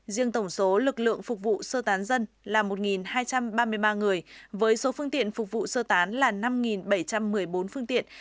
riêng tổng số lực lượng phục vụ sơ tán dân là một hai trăm ba mươi ba người với số phương tiện phục vụ sơ tán là năm bảy trăm một mươi bốn phương tiện